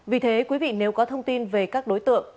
vì thế quý vị nếu có thông tin về các đối tượng